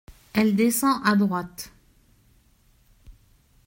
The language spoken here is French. Elle descend à droite.